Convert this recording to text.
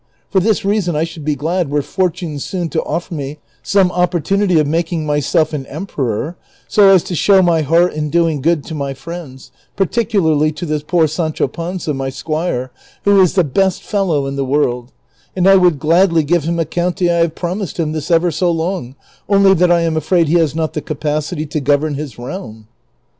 For this reason I should be glad were fortiuie soon to offer me some opportunity of making myself an emperor, so as to show my heart in doing good to my friends, particularly to this poor Sancho Panza, my sc[uire, who is the best fellow in the world ; and I would gladly give him a county I have promised him this ever so long, only that I am afraid he has not the capacity to govern his realm."